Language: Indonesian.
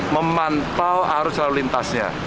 memantau arus lalu lintasnya